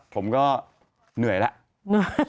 ผมก็เหนื่อยแล้ว